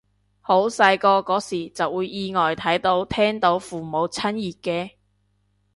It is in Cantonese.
好細個嗰時就會意外睇到聽到父母親熱嘅